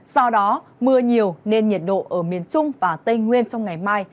do đó mưa nhiều nên nhiệt độ ở miền trung và tây nguyên trong ngày mai